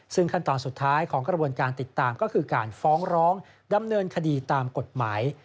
ซึ่งขั้นตอนสุดท้ายของกระบวนการติดตามก็คือการฟ้องร้องดำเนินคดีตามกฎหมาย